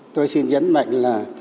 tôi xin nhấn mạnh là